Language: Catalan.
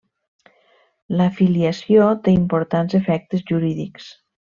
La filiació té importants efectes jurídics.